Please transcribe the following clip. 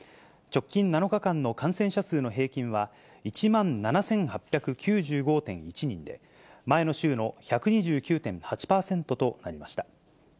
直近７日間の感染者数の平均は、１万７８９５．１人で前の週の１２９．８％となりました。